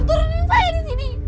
turunin saya di sini